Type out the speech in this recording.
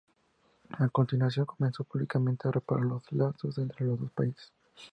A continuación, comenzó públicamente a reparar los lazos entre los dos países.